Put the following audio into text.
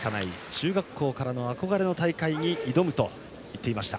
中学校からの憧れの大会に挑むといっていました。